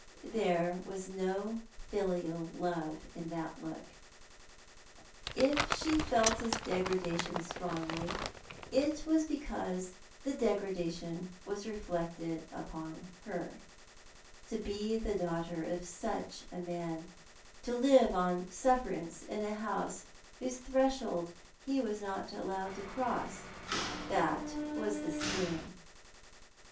There was no filial love in that look. If she felt his degrada tion strongly it was because the degradation was reflected upon her. To be the daughter of such a man, to live on sufi"erance in a house whose threshold he was not allowed to cross ! That was the sting